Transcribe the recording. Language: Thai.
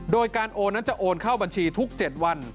โดยการโอนนั้นจะโอนเข้าบัญชีทุก๗วัน